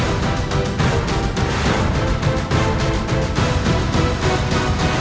ibu ndaku juga membawa doron ke tempat yang sama